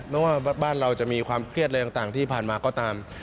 ไม่ว่าบ้านเราจะมีความเครียดอะไรต่างที่ผ่านมาก็ตาม